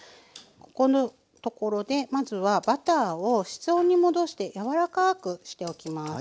ここのところでまずはバターを室温に戻して柔らかくしておきます。